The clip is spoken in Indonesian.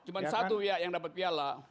cuma satu ya yang dapat piala